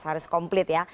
harus komplit ya